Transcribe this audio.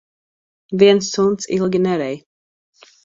Viens suns ilgi nerej.